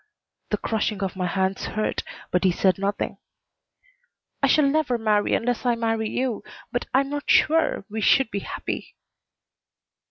The crushing of my hands hurt, but he said nothing. "I shall never marry unless I marry you but I am not sure we should be happy."